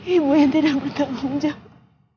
ibu yang tidak bertanggung jawab